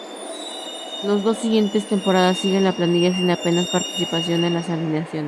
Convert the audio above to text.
Las dos siguientes temporadas sigue en la plantilla sin apenas participación en las alineaciones.